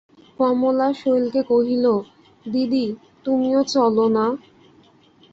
কমলা শৈলকে কহিল, দিদি, তুমিও চলো-না।